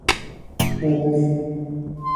مبلی